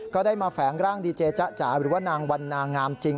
ก็ได้มาแฝงร่างดีเจจ๊ะจ๋าหรือว่านางวันนางามจริง